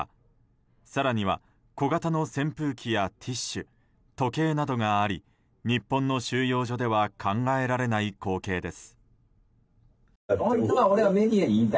更には小型の扇風機やティッシュ、時計などがあり日本の収容所では考えられない光景です。